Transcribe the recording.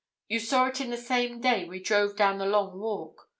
You saw it the same day we drove down the Long Walk.